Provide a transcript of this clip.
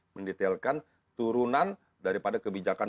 mendetailkan turunan daripada kebijakan